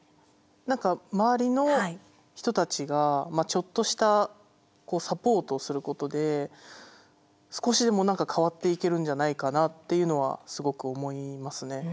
何か周りの人たちがちょっとしたサポートをすることで少しでも変わっていけるんじゃないかなっていうのはすごく思いますね。